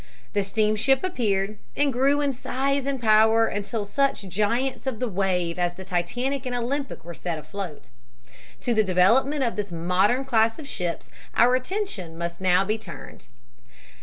The steamship appeared, and grew in size and power until such giants of the wave as the Titanic and Olympic were set afloat. To the development of this modern class of ships our attention must now be turned.